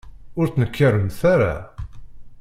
Ur ttnekkaremt ara.